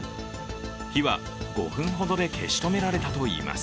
火は５分ほどで消し止められたといいます。